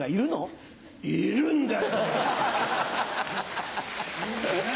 いるんだ。